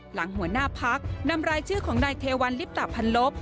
หัวหน้าพักนำรายชื่อของนายเทวัลลิปตะพันลบ